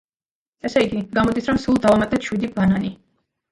ესე იგი, გამოდის, რომ სულ დავამატეთ შვიდი ბანანი.